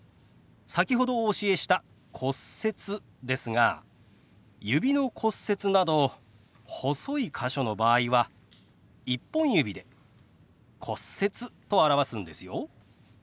先ほどお教えした「骨折」ですが指の骨折など細い箇所の場合は１本指で「骨折」と表すんですよ。